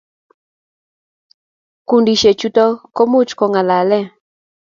kundishek chutok ko much ko ngalaee